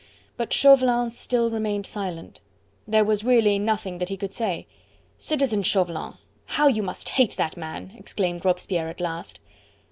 But Chauvelin still remained silent. There was really nothing that he could say. "Citizen Chauvelin, how you must hate that man!" exclaimed Robespierre at last.